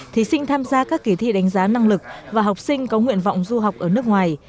thí sinh tham gia các kỳ thi đánh giá năng lực và học sinh có nguyện vọng du học ở nước ngoài